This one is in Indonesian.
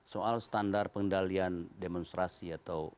soal standar pengendalian demonstrasi atau